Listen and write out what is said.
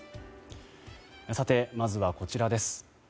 まずはこちらです。